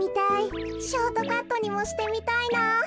ショートカットにもしてみたいな。